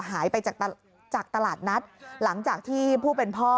หายไปจากตลาดนัดหลังจากที่ผู้เป็นพ่อ